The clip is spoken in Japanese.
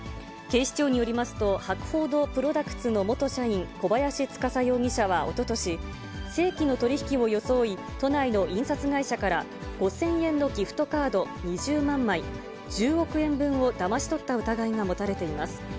警視庁によりますと、博報堂プロダクツの元社員、小林司容疑者はおととし、正規の取り引きを装い、都内の印刷会社から、５０００円のギフトカード２０万枚、１０億円分をだまし取った疑いが持たれています。